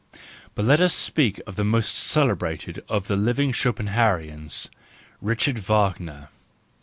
But let us speak of the most celebrated of the living Schopenhauerians, Richard Wagner.